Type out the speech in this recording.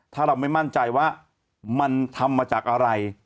ถ้าเราไม่มั่นใจว่ามันทำมาจากอะไร